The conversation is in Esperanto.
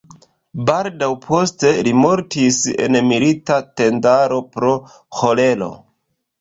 Baldaŭ poste li mortis en milita tendaro pro ĥolero.